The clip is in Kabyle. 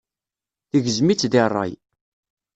Tegzem-itt deg ṛṛay.